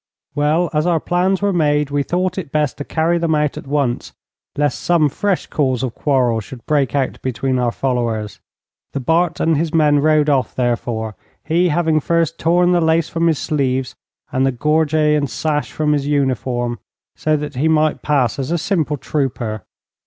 Well, as our plans were made, we thought it best to carry them out at once, lest some fresh cause of quarrel should break out between our followers. The Bart and his men rode off, therefore, he having first torn the lace from his sleeves, and the gorget and sash from his uniform, so that he might pass as a simple trooper.